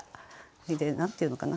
それで何て言うのかな